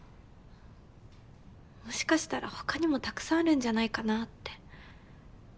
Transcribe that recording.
もしかしたら他にもたくさんあるんじゃないかなって。